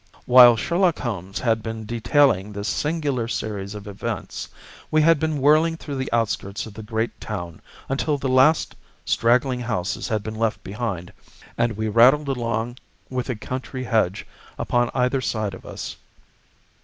While Sherlock Holmes had been detailing this singular series of events, we had been whirling through the outskirts of the great town until the last straggling houses had been left behind, and we rattled along with a country hedge upon either side of us.